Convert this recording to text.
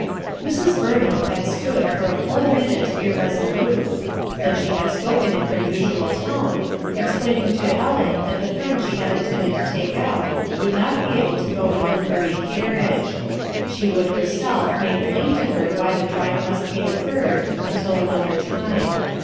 IPS. BUIiNIIAM had stood for a full i V L minute irresolute j then she had spoken in her usual tone, explaining to Ellen that the friend she had intended to take out would not be able to go in a livery carriage. She would herself make plain to her why the drive must be deferred until another time.